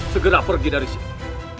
segera pergi dari sini